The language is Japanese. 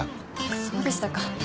そうでしたか。